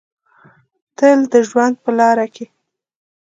تل د ژوند په لاره کې